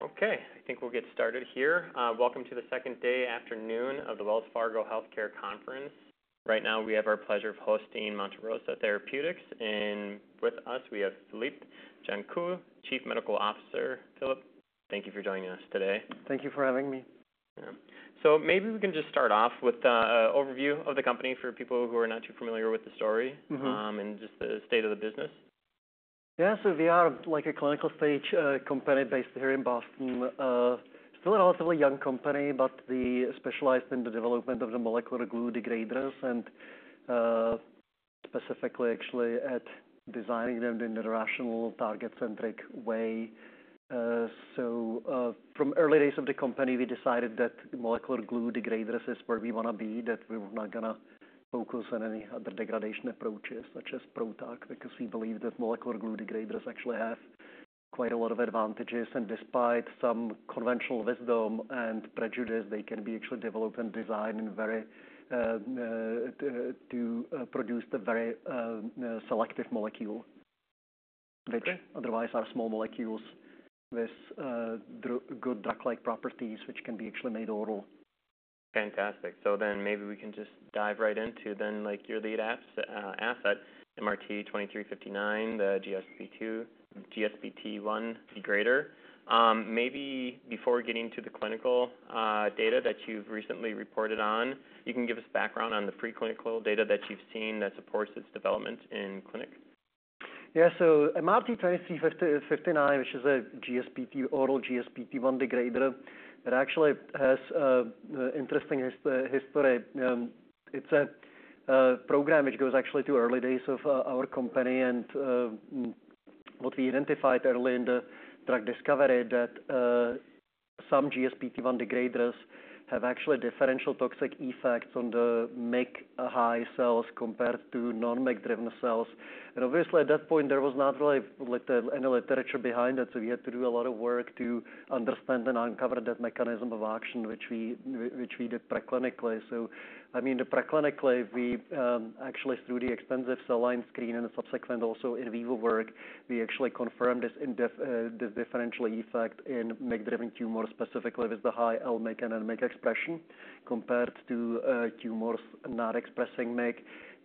Okay, I think we'll get started here. Welcome to the second day afternoon of the Wells Fargo Healthcare Conference. Right now, we have the pleasure of hosting Monte Rosa Therapeutics, and with us, we have Filip Janku, Chief Medical Officer. Filip, thank you for joining us today. Thank you for having me. Yeah, so maybe we can just start off with an overview of the company for people who are not too familiar with the story. Mm-hmm. and just the state of the business. Yeah, so we are like a clinical-stage company based here in Boston. Still a relatively young company, but we specialize in the development of the molecular glue degraders and, specifically actually at designing them in a rational, target-centric way. From early days of the company, we decided that molecular glue degraders is where we wanna be, that we were not gonna focus on any other degradation approaches, such as PROTAC, because we believe that molecular glue degraders actually have quite a lot of advantages, and despite some conventional wisdom and prejudice, they can be actually developed and designed in a very to produce the very selective molecule- Okay... which otherwise are small molecules with good drug-like properties, which can be actually made oral. Fantastic. So then maybe we can just dive right into, like, your lead asset, MRT-2359, the GSPT1 degrader. Maybe before getting to the clinical data that you've recently reported on, you can give us background on the preclinical data that you've seen that supports its development in clinic. Yeah, so MRT-2359, which is a GSPT1, oral GSPT1 degrader, that actually has interesting history. It's a program, which goes actually to early days of our company. And what we identified early in the drug discovery that some GSPT1 degraders have actually differential toxic effects on the MYC-high cells, compared to non-MYC-driven cells. And obviously, at that point, there was not really like any literature behind it, so we had to do a lot of work to understand and uncover that mechanism of action, which we did preclinically. So I mean, preclinically, we actually, through the extensive cell line screen and the subsequent also in vivo work, we actually confirmed this differential effect in MYC-driven tumors, specifically with the high L-MYC and N-MYC expression, compared to tumors not expressing MYC.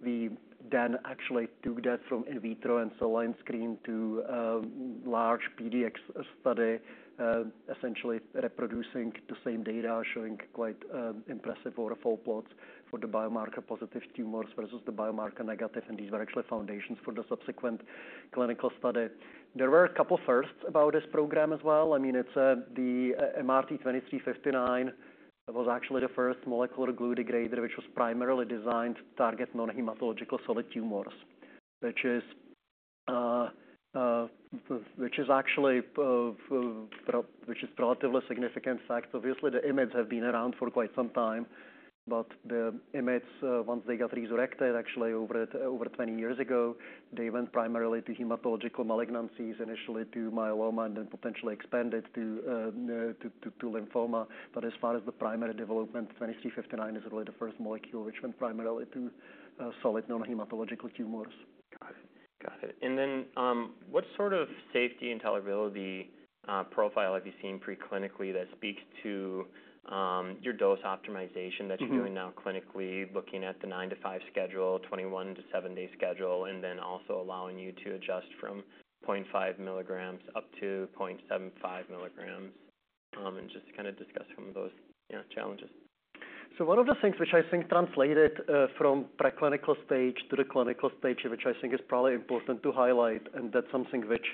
We then actually took that from in vitro and cell line screen to large PDX study, essentially reproducing the same data, showing quite impressive waterfall plots for the biomarker-positive tumors versus the biomarker negative, and these were actually foundations for the subsequent clinical study. There were a couple firsts about this program as well. I mean, it's the MRT-2359 was actually the first molecular glue degrader, which was primarily designed to target non-hematological solid tumors, which is actually a relatively significant fact. Obviously, the IMiDs have been around for quite some time, but the IMiDs once they got resurrected, actually over 20 years ago, they went primarily to hematological malignancies, initially to myeloma, and then potentially expanded to lymphoma. But as far as the primary development, 2359 is really the first molecule which went primarily to solid non-hematological tumors. Got it. Got it. And then, what sort of safety and tolerability profile have you seen preclinically that speaks to your dose optimization that? Mm-hmm... you're doing now clinically, looking at the nine-to-five schedule, 21 to seven-day schedule, and then also allowing you to adjust from .5 mg up to .7 mg, and just to kind of discuss some of those, you know, challenges. So one of the things which I think translated from preclinical stage to the clinical stage, which I think is probably important to highlight, and that's something which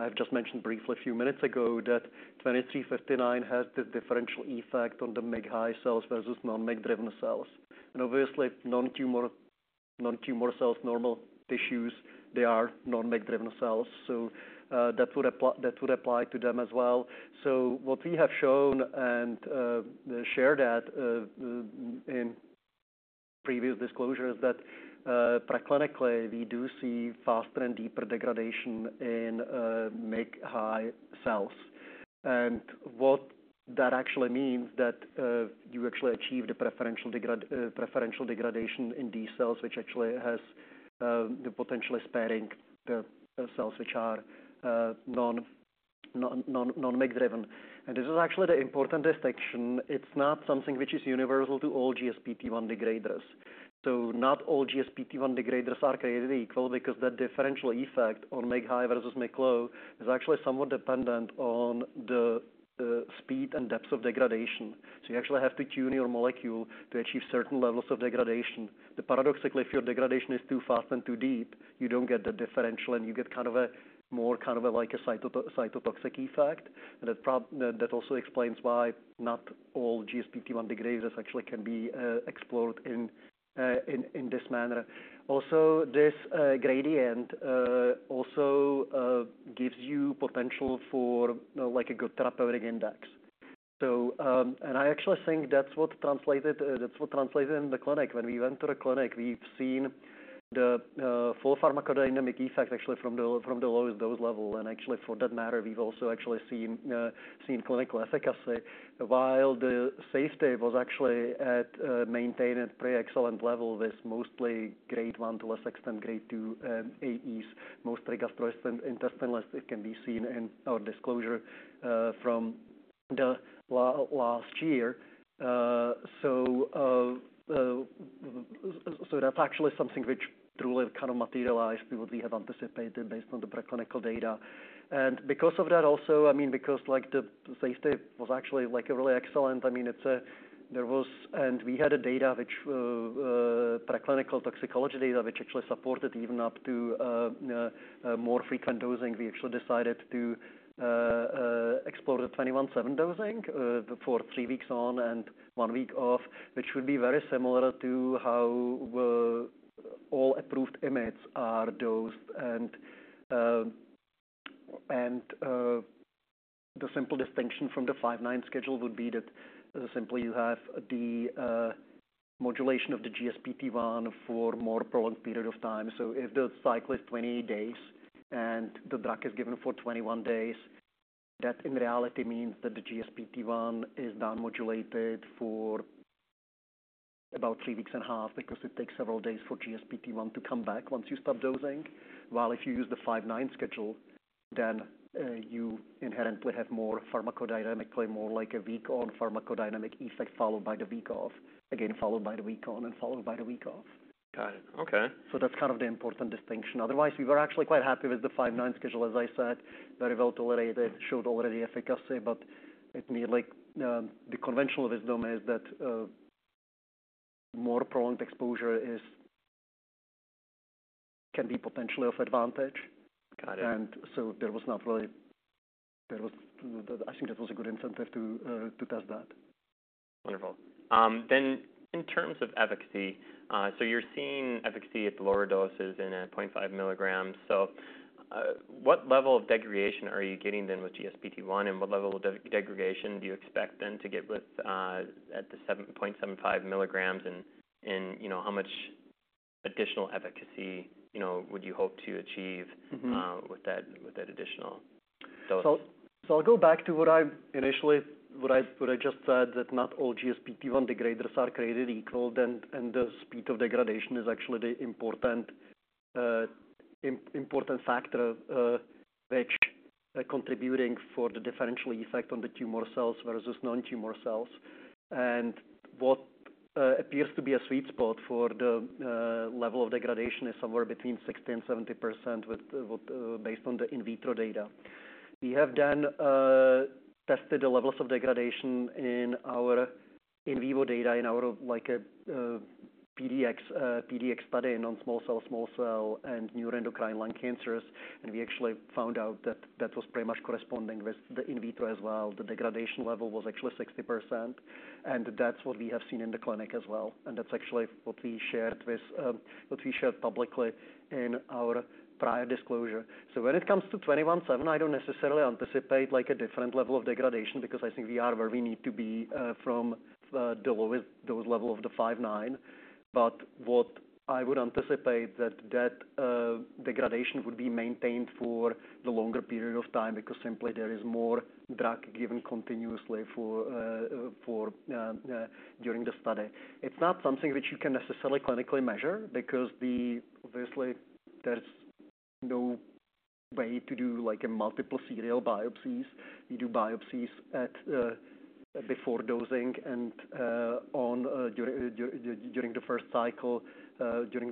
I've just mentioned briefly a few minutes ago, that 2359 has the differential effect on the MYC-high cells versus non-MYC-driven cells. And obviously, non-tumor cells, normal tissues, they are non-MYC-driven cells, so that would apply to them as well. So what we have shown and shared in previous disclosures that preclinically, we do see faster and deeper degradation in MYC-high cells. And what that actually means that you actually achieve the preferential degradation in these cells, which actually has the potentially sparing cells which are non-MYC-driven. And this is actually the important distinction. It's not something which is universal to all GSPT1 degraders. So not all GSPT1 degraders are created equal because the differential effect on MYC high versus MYC low is actually somewhat dependent on the speed and depth of degradation. So you actually have to tune your molecule to achieve certain levels of degradation. Then paradoxically, if your degradation is too fast and too deep, you don't get the differential, and you get kind of a cytotoxic effect. And that probably also explains why not all GSPT1 degraders actually can be explored in this manner. Also, this gradient also gives you potential for like a good therapeutic index. So, and I actually think that's what translated in the clinic. When we went to the clinic, we've seen the full pharmacodynamic effect actually from the lowest dose level. And actually, for that matter, we've also actually seen clinical efficacy, while the safety was actually maintained at pretty excellent level, with mostly Grade 1 to a less extent, Grade 2, AEs, mostly gastrointestinal, as it can be seen in our disclosure from last year. So that's actually something which truly kind of materialized what we have anticipated based on the preclinical data. And because of that also, I mean, because, like, the safety was actually, like, a really excellent, I mean, it's there was and we had a data which preclinical toxicology data, which actually supported even up to more frequent dosing. We actually decided to explore the 21/7 dosing for three weeks on and one week off, which would be very similar to how all approved IMiDs are dosed. And the simple distinction from the five-nine schedule would be that simply you have the modulation of the GSPT1 for more prolonged period of time. So if the cycle is 20 days and the drug is given for 21 days, that in reality means that the GSPT1 is down-modulated for about three weeks and a half, because it takes several days for GSPT1 to come back once you stop dosing. While if you use the five-nine schedule, then you inherently have more pharmacodynamic play, more like a week on pharmacodynamic effect, followed by the week off, again, followed by the week on and followed by the week off. Got it. Okay. So that's kind of the important distinction. Otherwise, we were actually quite happy with the five-nine schedule, as I said, very well tolerated, showed already efficacy, but it need like, the conventional wisdom is that, more prolonged exposure is... Can be potentially of advantage. Got it. I think that was a good incentive to test that. Wonderful. Then in terms of efficacy, so you're seeing efficacy at lower doses in 0.5 milligrams. So, what level of degradation are you getting then with GSPT1, and what level of degradation do you expect then to get with at the 7.75 milligrams? And, you know, how much additional efficacy, you know, would you hope to achieve- Mm-hmm. with that additional dose? I'll go back to what I initially said, what I just said, that not all GSPT1 degraders are created equal, and the speed of degradation is actually the important factor, which are contributing for the differential effect on the tumor cells versus non-tumor cells. What appears to be a sweet spot for the level of degradation is somewhere between 60% and 70% with, based on the in vitro data. We have then tested the levels of degradation in our in vivo data, in our, like, PDX study, non-small cell, small cell, and neuroendocrine lung cancers. We actually found out that that was pretty much corresponding with the in vitro as well. The degradation level was actually 60%, and that's what we have seen in the clinic as well, and that's actually what we shared with what we shared publicly in our prior disclosure. So when it comes to 21/7, I don't necessarily anticipate, like, a different level of degradation because I think we are where we need to be from the lowest dose level of the five-nine. But what I would anticipate that that degradation would be maintained for the longer period of time, because simply there is more drug given continuously for during the study. It's not something which you can necessarily clinically measure, because obviously there's no way to do, like, a multiple serial biopsies. You do biopsies at before dosing and on during the first cycle during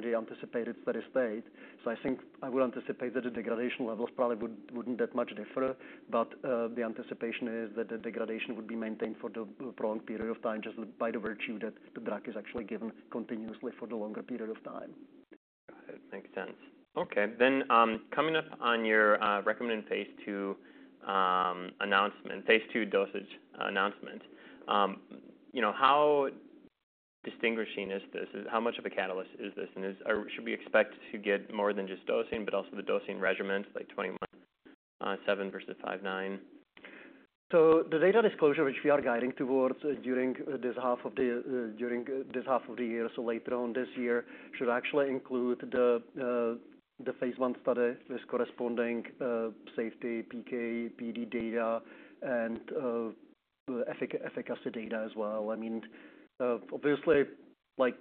the anticipated steady state. So I think I would anticipate that the degradation levels probably wouldn't differ that much, but the anticipation is that the degradation would be maintained for a prolonged period of time, just by the virtue that the drug is actually given continuously for the longer period of time. Got it. Makes sense. Okay. Then, coming up on your recommended phase II announcement, phase II dosage announcement, you know, how distinguishing is this? How much of a catalyst is this? And... or should we expect to get more than just dosing, but also the dosing regimens, like 21/7 versus 5/9? So the data disclosure, which we are guiding towards during this half of the year, so later on this year, should actually include the phase I study with corresponding safety, PK, PD data and efficacy data as well. I mean, obviously, like,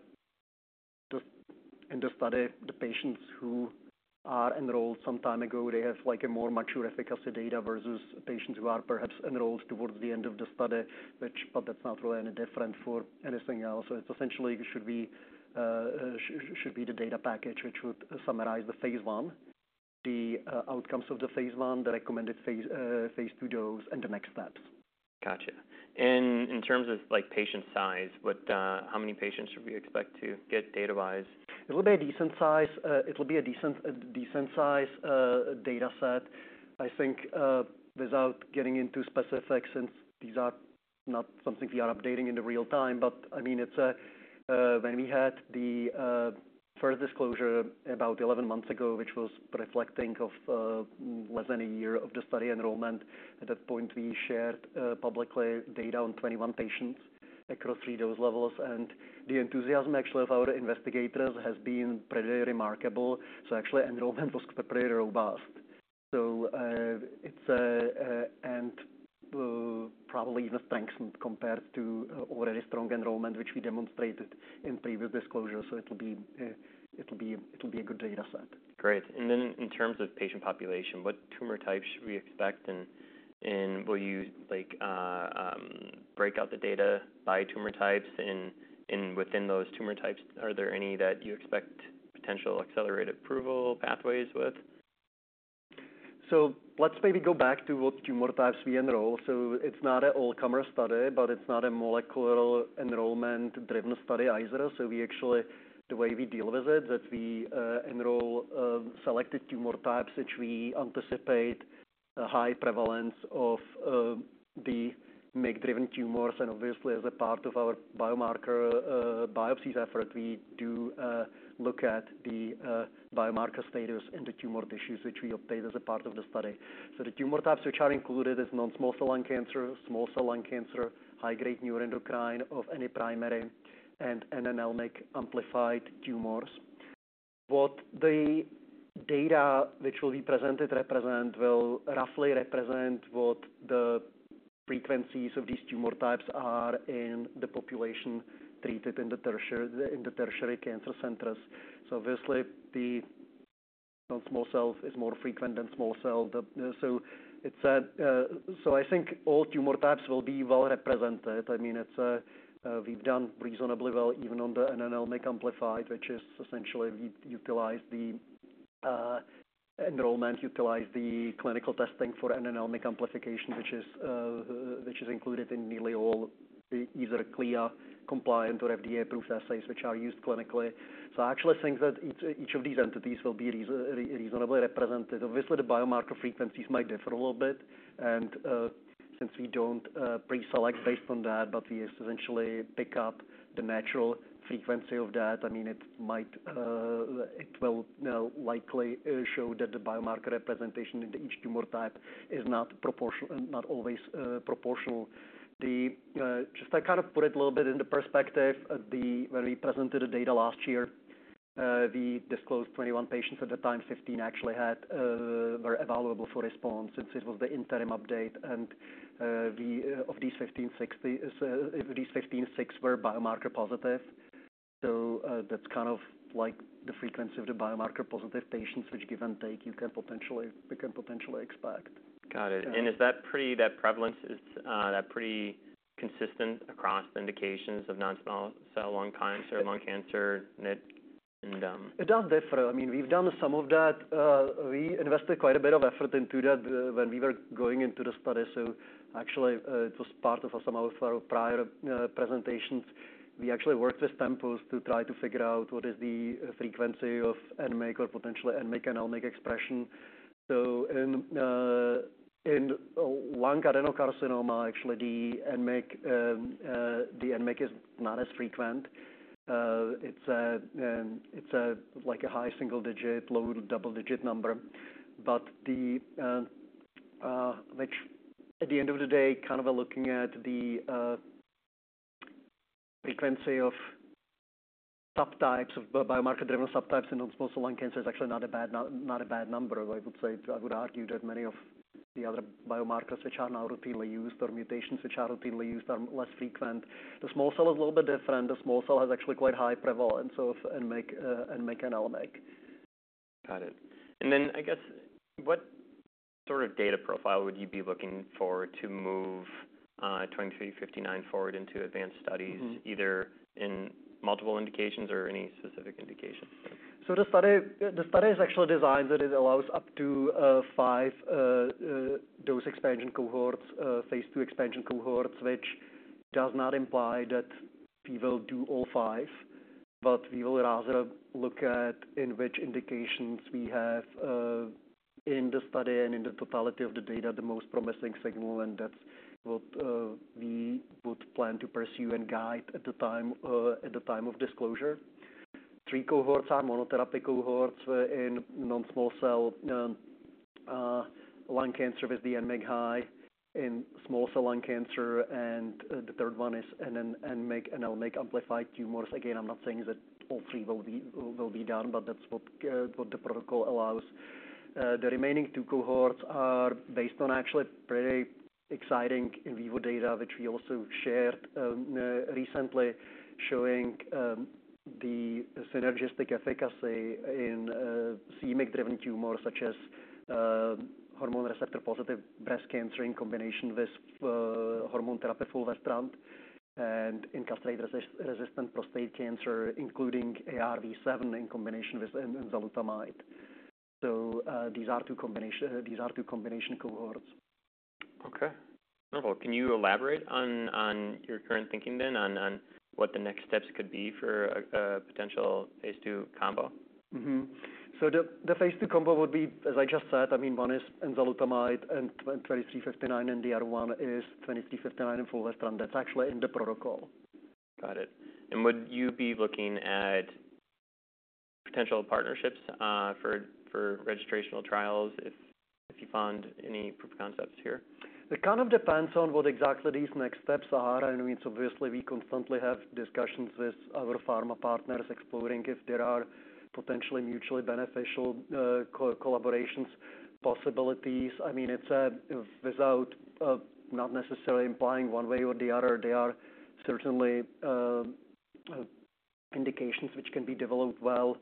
in the study, the patients who are enrolled some time ago, they have like a more mature efficacy data versus patients who are perhaps enrolled towards the end of the study, but that's not really any different for anything else. So it's essentially the data package, which would summarize the phase I outcomes of the phase I, the recommended phase II dose, and the next steps. Gotcha. And in terms of, like, patient size, what, how many patients should we expect to get data wise? It will be a decent size data set. I think without getting into specifics, since these are not something we are updating in real time, but I mean, it's when we had the first disclosure about 11 months ago, which was reflecting of less than a year of the study enrollment. At that point, we shared publicly data on 21 patients across three dose levels, and the enthusiasm actually of our investigators has been pretty remarkable, so actually, enrollment was pretty robust, so it's probably even strengthened compared to already strong enrollment, which we demonstrated in previous disclosures, so it'll be a good data set. Great. And then in terms of patient population, what tumor types should we expect, and will you, like, break out the data by tumor types? And within those tumor types, are there any that you expect potential accelerated approval pathways with? So let's maybe go back to what tumor types we enroll. So it's not an all-comer study, but it's not a molecular enrollment-driven study either. So we actually, the way we deal with it, that we enroll selected tumor types, which we anticipate a high prevalence of, the MYC-driven tumors. And obviously, as a part of our biomarker biopsies effort, we do look at the biomarker status in the tumor tissues, which we obtain as a part of the study. So the tumor types, which are included, is non-small cell lung cancer, small cell lung cancer, high-grade neuroendocrine of any primary, and N- and L-MYC-amplified tumors. What the data which will be presented represent will roughly represent what the frequencies of these tumor types are in the population treated in the tertiary cancer centers. Obviously, the non-small cell is more frequent than small cell. So I think all tumor types will be well represented. I mean, we've done reasonably well, even on the N-MYC-amplified, which is essentially we utilize the enrollment, utilize the clinical testing for N-MYC amplification, which is included in nearly all either CLIA-compliant or FDA-approved assays, which are used clinically. So I actually think that each of these entities will be reasonably represented. Obviously, the biomarker frequencies might differ a little bit, and since we don't pre-select based on that, but we essentially pick up the natural frequency of that. I mean, it might, it will now likely show that the biomarker representation into each tumor type is not always proportional. Just to kind of put it a little bit into perspective, when we presented the data last year, we disclosed 21 patients. At the time, 15 actually had were evaluable for response, since it was the interim update. And of these 15, six were biomarker positive. So that's kind of like the frequency of the biomarker-positive patients, which give and take, we can potentially expect. Got it. Yeah. Is that pretty, that prevalence, that pretty consistent across indications of non-small cell lung cancer, lung cancer, MYC, and It does differ. I mean, we've done some of that. We invested quite a bit of effort into that when we were going into the study. So actually, it was part of some of our prior presentations. We actually worked with Tempus to try to figure out what is the frequency of N-MYC or potentially N-MYC and L-MYC expression. So in lung adenocarcinoma, actually, the N-MYC is not as frequent. It's like a high single digit, low double-digit number. But which, at the end of the day, kind of looking at the frequency of subtypes, of biomarker-driven subtypes in non-small cell lung cancer, is actually not a bad number, I would say. I would argue that many of the other biomarkers which are now routinely used, or mutations which are routinely used, are less frequent. The small cell is a little bit different. The small cell has actually quite high prevalence of N-MYC, N-MYC and L-MYC. Got it. And then, I guess, what sort of data profile would you be looking for to move 2359 forward into advanced studies? Mm-hmm. either in multiple indications or any specific indications? The study is actually designed that it allows up to five dose expansion cohorts, phase II expansion cohorts, which does not imply that we will do all five. But we will rather look at in which indications we have in the study and in the totality of the data, the most promising signal, and that's what we would plan to pursue and guide at the time of disclosure. Three cohorts are monotherapy cohorts in non-small cell lung cancer with the N-MYC high, in small cell lung cancer, and the third one is N-MYC and L-MYC-amplified tumors. Again, I'm not saying that all three will be done, but that's what the protocol allows. The remaining two cohorts are based on actually pretty exciting in vivo data, which we also shared recently, showing the synergistic efficacy in c-MYC-driven tumors, such as hormone receptor-positive breast cancer in combination with hormone therapy fulvestrant and in castrate-resistant prostate cancer, including AR-V7 in combination with enzalutamide. These are two combination cohorts. Okay. Wonderful. Can you elaborate on your current thinking then, on what the next steps could be for a potential phase II combo? So the phase II combo would be, as I just said, I mean, one is enzalutamide and 2359, and the other one is 2359 and fulvestrant. That's actually in the protocol. Got it. And would you be looking at potential partnerships for registrational trials if you find any proof of concepts here? It kind of depends on what exactly these next steps are. I mean, obviously, we constantly have discussions with our pharma partners, exploring if there are potentially mutually beneficial co-collaborations possibilities. I mean, it's without not necessarily implying one way or the other, they are certainly indications which can be developed well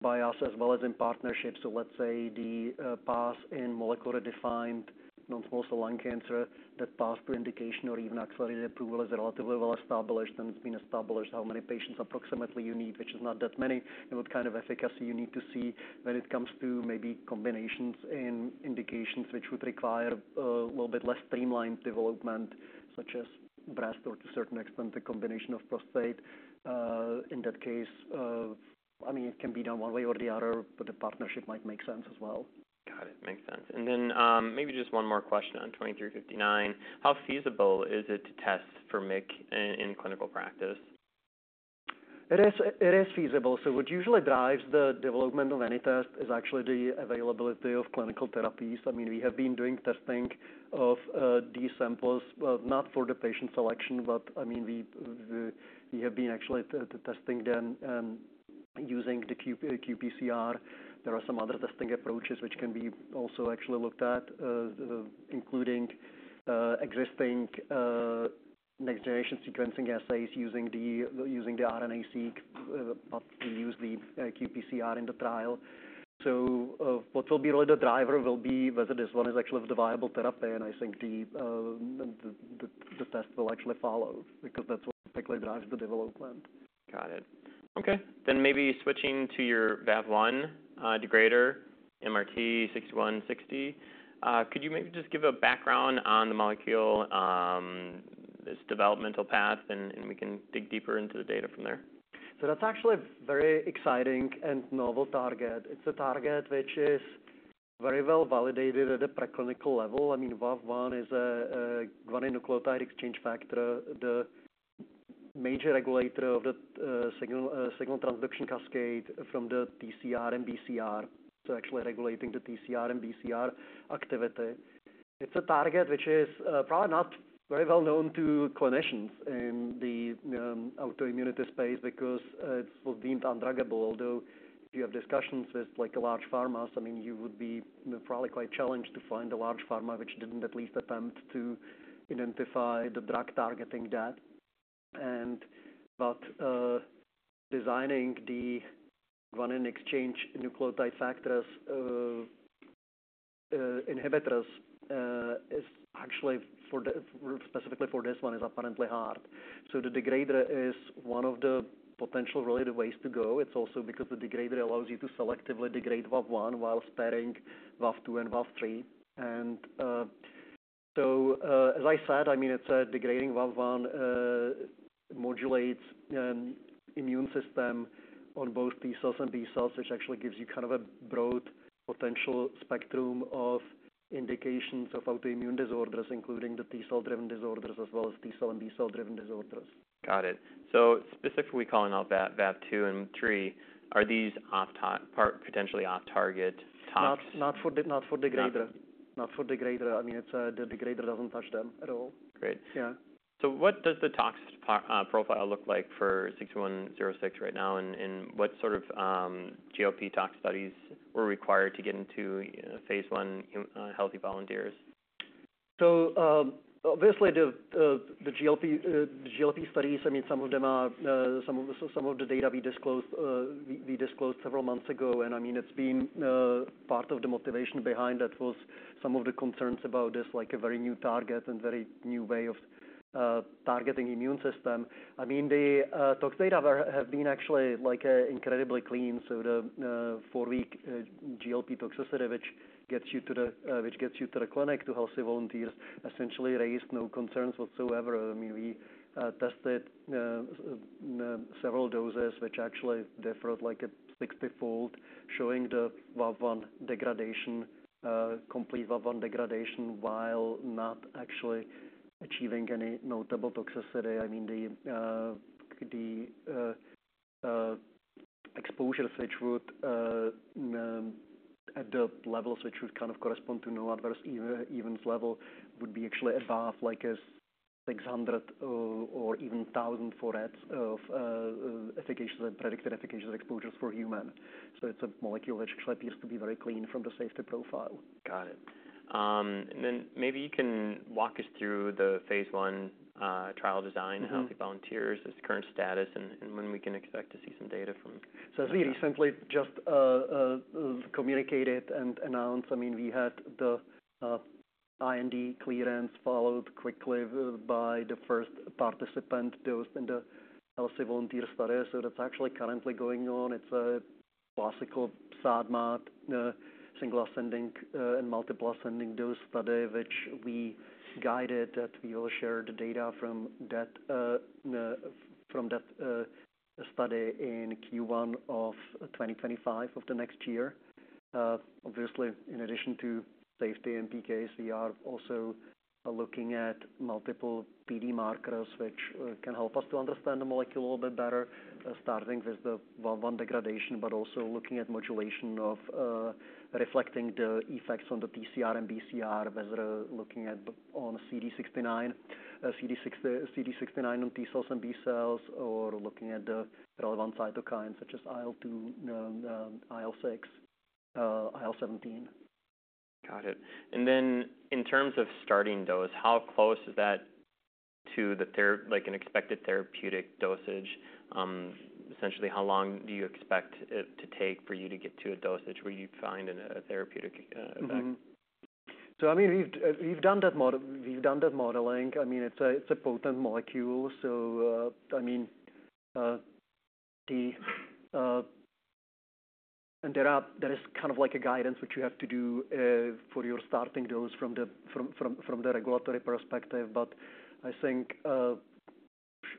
by us as well as in partnership. So let's say the path in molecularly defined non-small cell lung cancer, that path to indication or even accelerated approval is relatively well-established, and it's been established how many patients approximately you need, which is not that many, and what kind of efficacy you need to see. When it comes to maybe combinations in indications which would require a little bit less streamlined development, such as breast or to certain extent, the combination of prostate. In that case, I mean, it can be done one way or the other, but the partnership might make sense as well. Got it. Makes sense, and then maybe just one more question on MRT-2359. How feasible is it to test for MYC in clinical practice? It is feasible. So what usually drives the development of any test is actually the availability of clinical therapies. I mean, we have been doing testing of these samples, not for the patient selection, but, I mean, we have been actually testing them using the qPCR. There are some other testing approaches which can be also actually looked at, including existing next-generation sequencing assays using the RNA-seq. But we use the qPCR in the trial. So what will be really the driver will be whether this one is actually the viable therapy, and I think the test will actually follow because that's what typically drives the development. Got it. Okay. Then maybe switching to your VAV1 degrader, MRT-6160. Could you maybe just give a background on the molecule, its developmental path, and we can dig deeper into the data from there? That's actually very exciting and novel target. It's a target which is very well validated at the preclinical level. I mean, VAV1 is a guanine nucleotide exchange factor, the major regulator of the signal transduction cascade from the TCR and BCR, so actually regulating the TCR and BCR activity. It's a target which is probably not very well known to clinicians in the autoimmunity space because it was deemed undruggable. Although, if you have discussions with, like, large pharmas, I mean, you would be probably quite challenged to find a large pharma which didn't at least attempt to identify the drug targeting that. But designing the guanine nucleotide exchange factors inhibitors is actually specifically for this one, is apparently hard. So the degrader is one of the potential related ways to go. It's also because the degrader allows you to selectively degrade VAV1 while sparing VAV2 and VAV3. As I said, I mean, degrading VAV1 modulates the immune system on both T cells and B cells, which actually gives you kind of a broad potential spectrum of indications of autoimmune disorders, including the T cell-driven disorders as well as T cell and B cell-driven disorders. Got it. So specifically calling out VAV, VAV2 and 3, are these potentially off-target tox- Not for degrader. Not for- Not for degrader. I mean, it's, the degrader doesn't touch them at all. Great. Yeah. What does the tox profile look like for MRT-6160 right now, and what sort of GLP tox studies were required to get into phase I healthy volunteers? Obviously, the GLP studies, I mean, some of them are, some of the data we disclosed, we disclosed several months ago, and I mean, it's been part of the motivation behind that was some of the concerns about this, like, a very new target and very new way of targeting immune system. I mean, the tox data have been actually, like, incredibly clean. So the four-week GLP toxicity, which gets you to the clinic, to healthy volunteers, essentially raised no concerns whatsoever. I mean, we tested several doses which actually differed, like a sixty-fold, showing the VAV1 degradation, complete VAV1 degradation, while not actually achieving any notable toxicity. I mean, the exposure at the levels which would kind of correspond to no adverse events level would be actually above, like, a 600 or even 1000 for odds of efficacy, predicted efficacy of exposures for human. So it's a molecule which actually appears to be very clean from the safety profile. Got it. And then maybe you can walk us through the phase I trial design- Mm-hmm. healthy volunteers, its current status, and when we can expect to see some data from So as we recently just communicated and announced, I mean, we had the IND clearance, followed quickly by the first participant dosed in the healthy volunteer study. So that's actually currently going on. It's a classical SAD/MAD, single-ascending and multiple-ascending dose study, which we guided that we will share the data from that study in Q1 of 2025, of the next year. Obviously, in addition to safety and PK, we are also looking at multiple PD markers, which can help us to understand the molecule a little bit better. Starting with the VAV1 degradation, but also looking at modulation of reflecting the effects on the TCR and BCR, whether looking at on CD69 on T cells and B cells, or looking at the relevant cytokines such as IL-2, IL-6, IL-17.... Got it. And then in terms of starting dose, how close is that to the, like an expected therapeutic dosage? Essentially, how long do you expect it to take for you to get to a dosage where you'd find a therapeutic effect? Mm-hmm. So I mean, we've done that modeling. I mean, it's a potent molecule, so, I mean, and there is kind of like a guidance which you have to do for your starting dose from the regulatory perspective. But I think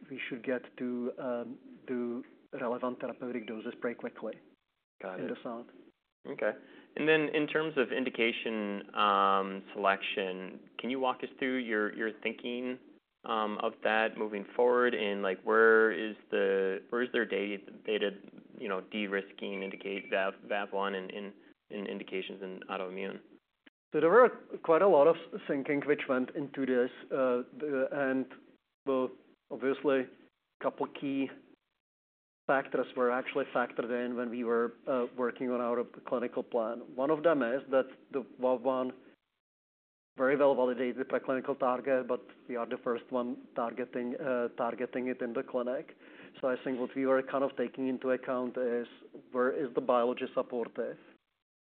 we should get to relevant therapeutic doses pretty quickly- Got it. In the start. Okay. And then in terms of indication selection, can you walk us through your thinking of that moving forward? And like, where is there data, you know, de-risking indicate VAV, VAV1 in indications in autoimmune? There were quite a lot of thinking which went into this. Obviously, couple key factors were actually factored in when we were working on our clinical plan. One of them is that the VAV1, very well validated preclinical target, but we are the first one targeting it in the clinic. I think what we were kind of taking into account is where is the biology supportive,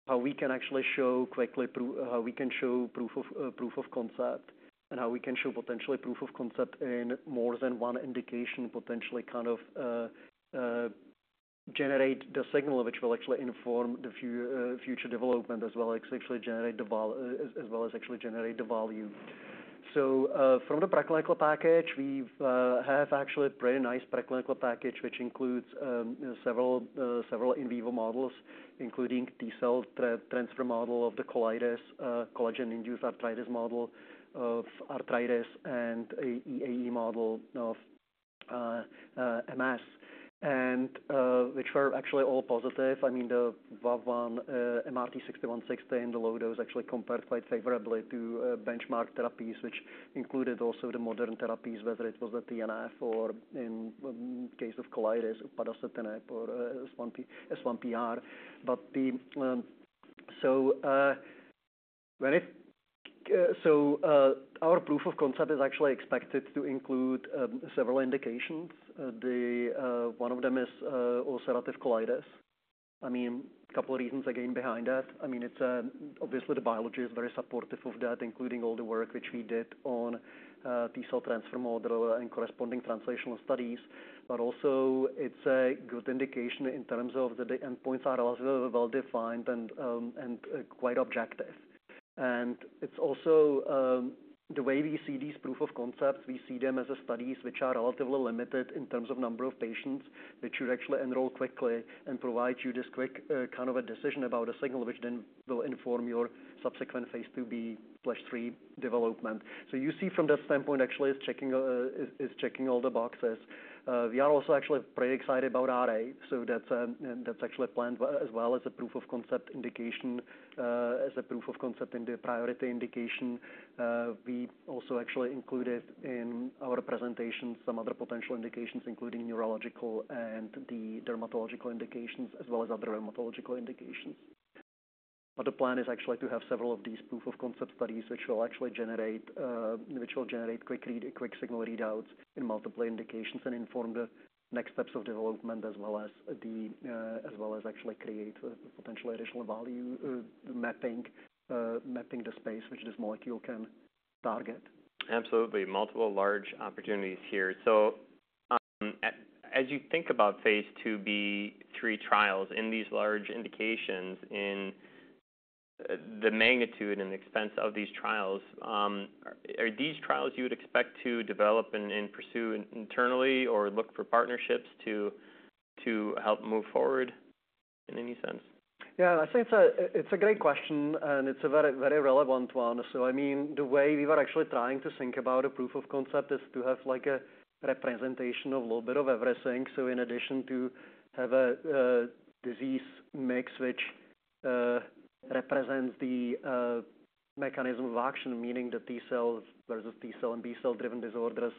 how we can actually show quickly proof of concept, and how we can show potentially proof of concept in more than one indication, potentially kind of generate the signal, which will actually inform the future development, as well as actually generate the value. So from the preclinical package, we have actually pretty nice preclinical package, which includes several in vivo models, including T-cell transfer model of the colitis, collagen-induced arthritis model of arthritis and a EAE model of MS, and which were actually all positive. I mean, the VAV1 MRT-6160 in the low dose actually compared quite favorably to benchmark therapies, which included also the modern therapies, whether it was the TNF or in case of colitis, vedolizumab or S1P, S1PR. But so our proof of concept is actually expected to include several indications. The one of them is ulcerative colitis. I mean, a couple of reasons again, behind that. I mean, it's obviously the biology is very supportive of that, including all the work which we did on T-cell transfer model and corresponding translational studies. But also it's a good indication in terms of the endpoints are also well defined and quite objective. And it's also the way we see these proof of concepts, we see them as studies which are relatively limited in terms of number of patients, which should actually enroll quickly and provide you this quick kind of a decision about a signal, which then will inform your subsequent phase IIb/III development. So you see from that standpoint, actually, it's checking all the boxes. We are also actually pretty excited about RA. So that's actually planned as well as a proof of concept indication, as a proof of concept in the priority indication. We also actually included in our presentation some other potential indications, including neurological and the dermatological indications, as well as other rheumatological indications. But the plan is actually to have several of these proof-of-concept studies, which will actually generate quick signal readouts in multiple indications and inform the next steps of development, as well as actually create a potential additional value, mapping the space which this molecule can target. Absolutely. Multiple large opportunities here. So, as you think about phase IIb/III trials in these large indications, in the magnitude and expense of these trials, are these trials you would expect to develop and pursue internally, or look for partnerships to help move forward in any sense? Yeah, I think it's a great question, and it's a very, very relevant one. So I mean, the way we were actually trying to think about a proof of concept is to have like a representation of a little bit of everything. So in addition to have a disease mix, which represents the mechanism of action, meaning the T-cells versus T-cell and B-cell driven disorders,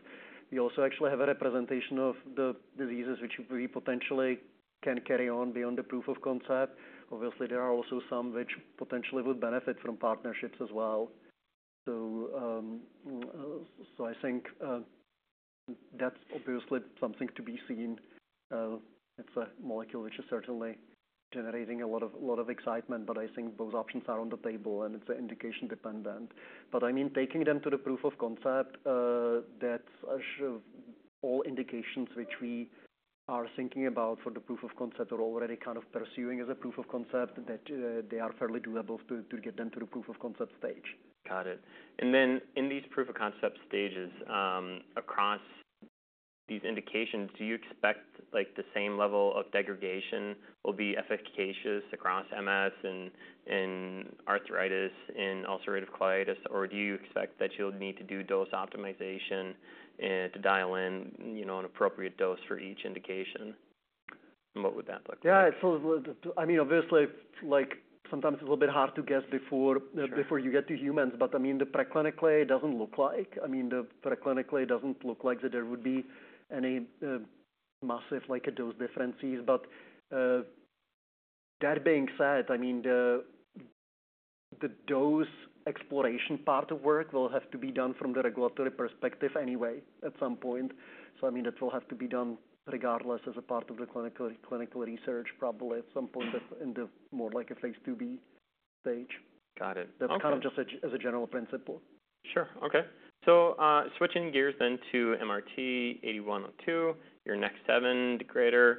we also actually have a representation of the diseases which we potentially can carry on beyond the proof of concept. Obviously, there are also some which potentially would benefit from partnerships as well. So, I think, that's obviously something to be seen. It's a molecule which is certainly generating a lot of excitement, but I think both options are on the table, and it's indication dependent. But I mean, taking them to the proof of concept, that's all indications which we are thinking about for the proof of concept or already kind of pursuing as a proof of concept, that they are fairly doable to get them to the proof of concept stage. Got it. And then in these proof of concept stages, across these indications, do you expect, like, the same level of degradation will be efficacious across MS and arthritis, in ulcerative colitis? Or do you expect that you'll need to do dose optimization, to dial in, you know, an appropriate dose for each indication? And what would that look like? Yeah, it's so, I mean, obviously, like, sometimes it's a little bit hard to guess before- Sure... before you get to humans. But I mean, the preclinically, it doesn't look like that there would be any massive like dose differences. But that being said, I mean, the dose exploration part of work will have to be done from the regulatory perspective anyway, at some point. So I mean, that will have to be done regardless as a part of the clinical research, probably at some point in the more like a phase IIb stage. Got it. Okay. That's kind of just as a general principle. Sure. Okay. So, switching gears then to MRT-8102, your next NEK7 degrader.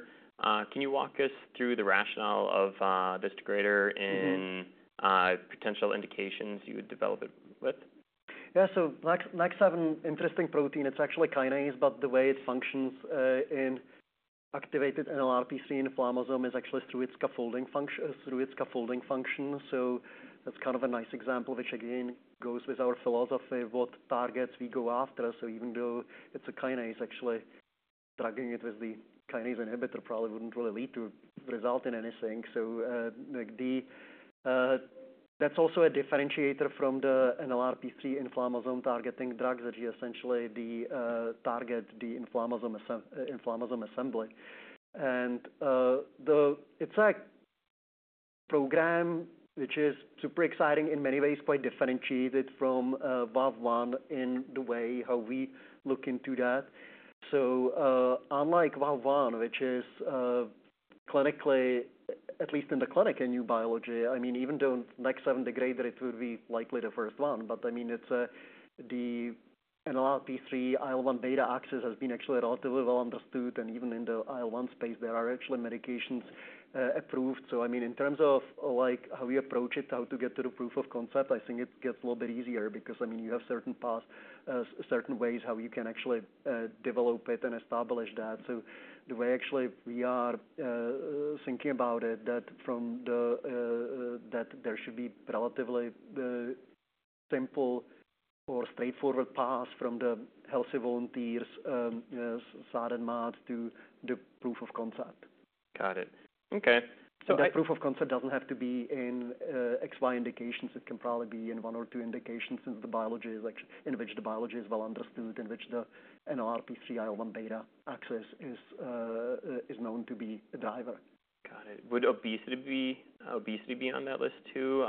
Can you walk us through the rationale of this degrader? Mm-hmm. -and, potential indications you would develop it with? Yeah, so NEK7 interesting protein. It's actually a kinase, but the way it functions in activated NLRP3 inflammasome is actually through its scaffolding function. So that's kind of a nice example, which again goes with our philosophy, what targets we go after. So even though it's a kinase, actually drugging it with the kinase inhibitor probably wouldn't really lead to result in anything. That's also a differentiator from the NLRP3 inflammasome targeting drugs, that you essentially the target the inflammasome assembly. And the it's like program, which is super exciting in many ways, quite differentiated from VAV1 in the way how we look into that. So, unlike VAV1, which is, clinically, at least in the clinic, a new biology, I mean, even though NEK7 degrader, it would be likely the first one. But I mean, it's, the NLRP3 IL-1 beta axis has been actually relatively well understood, and even in the IL-1 space, there are actually medications, approved. So I mean, in terms of like, how we approach it, how to get to the proof of concept, I think it gets a little bit easier because, I mean, you have certain paths, certain ways how you can actually, develop it and establish that. So the way actually we are, thinking about it, that from the, that there should be relatively, simple or straightforward path from the healthy volunteers, as SAD and MAD, to the proof of concept. Got it. Okay. So I- That proof of concept doesn't have to be in XY indications. It can probably be in one or two indications, since the biology is in which the biology is well understood, in which the NLRP3 IL-1 beta axis is known to be a driver. Got it. Would obesity be on that list too?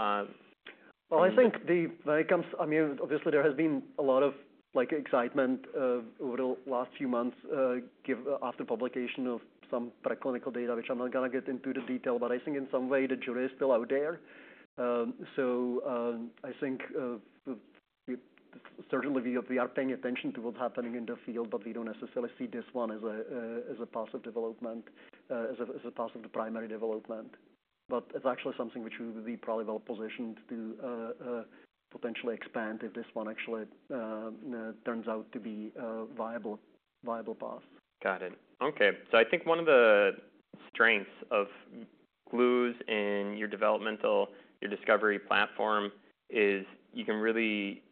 Well, I think when it comes to—I mean, obviously, there has been a lot of, like, excitement over the last few months given the publication of some preclinical data, which I'm not gonna get into the detail, but I think in some way the jury is still out there. I think certainly we are paying attention to what's happening in the field, but we don't necessarily see this one as a path of development, as a path of the primary development. It's actually something which we would be probably well positioned to potentially expand if this one actually turns out to be a viable path. Got it. Okay. So I think one of the strengths of glues in your developmental, your discovery platform is you can really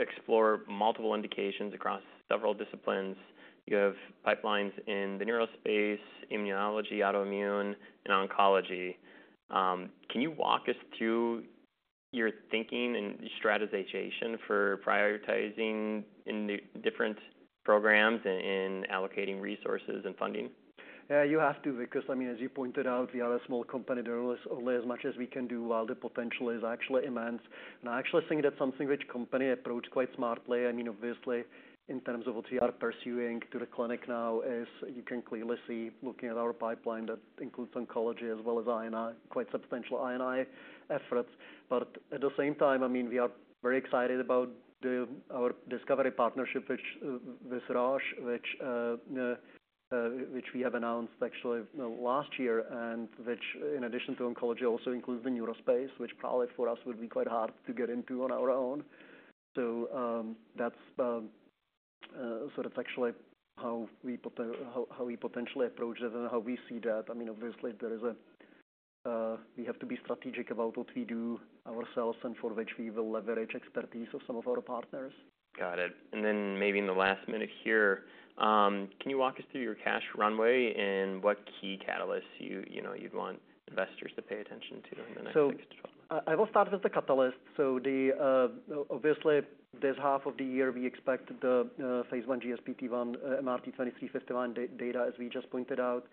explore multiple indications across several disciplines. You have pipelines in the neural space, immunology, autoimmune, and oncology. Can you walk us through your thinking and strategization for prioritizing in the different programs in allocating resources and funding? Yeah, you have to, because, I mean, as you pointed out, we are a small company. There is only as much as we can do, while the potential is actually immense. And I actually think that's something which the company approaches quite smartly. I mean, obviously, in terms of what we are pursuing to the clinic now, as you can clearly see, looking at our pipeline, that includes oncology as well as I&I, quite substantial I&I efforts. But at the same time, I mean, we are very excited about our discovery partnership, which we have with Roche, which we have announced actually last year, and which, in addition to oncology, also includes the neuro space, which probably for us would be quite hard to get into on our own. So, that's sort of actually how we potentially approach this and how we see that. I mean, obviously, we have to be strategic about what we do ourselves and for which we will leverage expertise of some of our partners. Got it. And then maybe in the last minute here, can you walk us through your cash runway and what key catalysts, you know, you'd want investors to pay attention to in the next six to 12 months? So I will start with the catalyst. Obviously, this half of the year, we expect the phase I GSPT1 MRT-2359 data, as we just pointed out.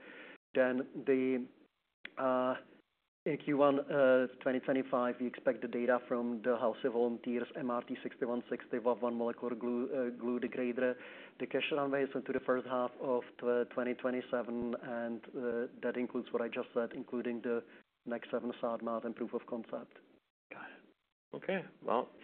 Then, Q1 2025, we expect the data from the healthy volunteers, MRT-6160, the molecular glue degrader. The cash runway is into the first half of 2027, and that includes what I just said, including the next several SAD, MAD, and proof of concept. Got it. Okay, well-